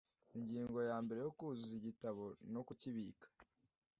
ingingo ya mbere kuzuza igitabo no kukibika